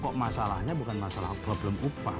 pokok masalahnya bukan masalah apa belum upah